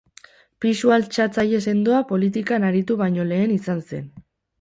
Pisu altxatzaile sendoa politikan aritu baino lehen izan zen.